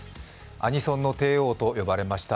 アニソンの帝王と呼ばれました